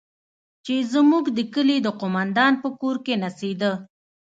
چې زموږ د کلي د قومندان په کور کښې نڅېده.